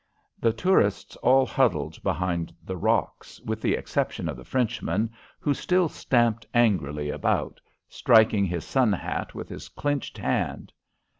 The tourists all huddled behind the rocks, with the exception of the Frenchman, who still stamped angrily about, striking his sun hat with his clenched hand.